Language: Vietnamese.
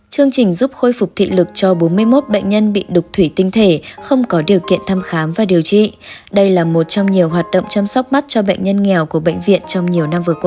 chương trình giúp khôi phục thị lực cho bốn mươi một bệnh nhân bị đục thủy tinh thể không có điều kiện thăm khám và điều trị đây là một trong nhiều hoạt động chăm sóc mắt cho bệnh nhân nghèo của bệnh viện trong nhiều năm vừa qua